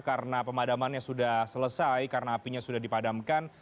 karena pemadamannya sudah selesai karena apinya sudah dipadamkan